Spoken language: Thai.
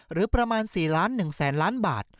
หรือประมาณ๔๑๐๐๐๐๐บาท